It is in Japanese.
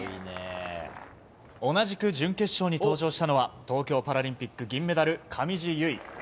同じく準決勝に登場したのは東京パラリンピック銀メダル上地結衣。